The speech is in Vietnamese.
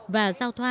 và giảm khó khăn